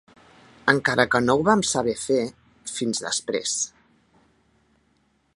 ...encara que no ho vam saber fins després